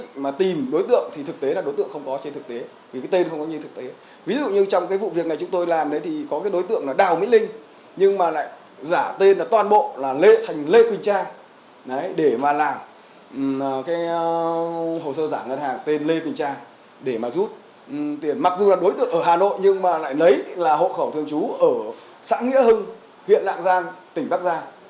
hồ sơ giả ngân hàng tên lê quỳnh trang để mà rút tiền mặc dù là đối tượng ở hà nội nhưng mà lại lấy là hộ khẩu thường trú ở xã nghĩa hưng huyện nạng giang tỉnh bắc giang